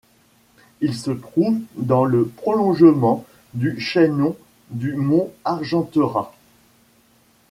Il se trouve dans le prolongement du chaînon du mont Argentera.